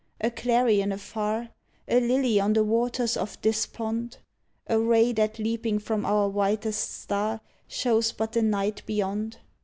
A clarion afar? A lily on the waters of despond? A ray that leaping from our whitest star Shows but the night beyond?